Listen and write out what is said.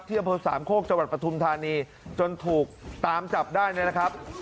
ที่อำเภพสามโคกจประทุนธานีจนถูกตามจับได้นะครับ